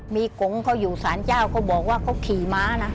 มีกงเขาอยู่สารเจ้าเขาบอกว่าเขาขี่ม้านะ